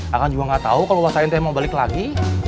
akang juga gak tau kalo wasain teh mau balik lagi